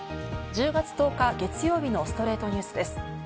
１０月１０日、月曜日の『ストレイトニュース』です。